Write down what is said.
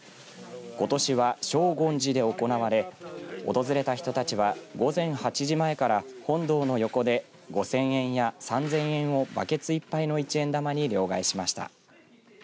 ことしは荘厳寺で行われ訪れた人たちは午前８時前から本堂の横で５０００円や３０００円をバケツいっぱいの一円玉に両替しました。